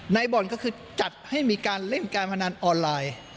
บ่อนก็คือจัดให้มีการเล่นการพนันออนไลน์